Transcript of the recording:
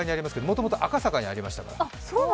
もともと赤坂にありました。